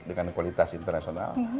dengan kualitas internasional